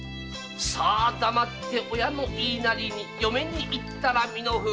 黙って親の言いなりに嫁にいったが身の不運。